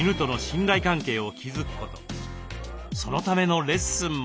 そのためのレッスンも。